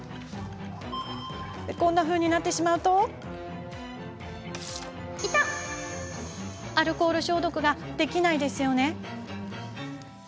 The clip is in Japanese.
こんなふうになってしまうとアルコール消毒はできないですよね。